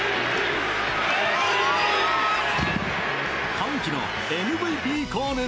歓喜のＭＶＰコール。